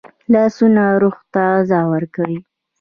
لاسونه روح ته غذا ورکوي